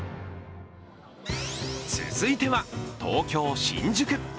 続いては東京・新宿。